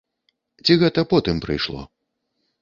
Ці гэта потым прыйшло?